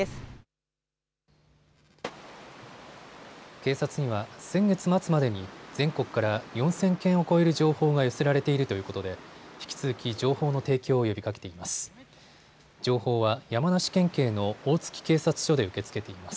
警察には先月末までに全国から４０００件を超える情報が寄せられているということで引き続き情報の提供を呼びかけています。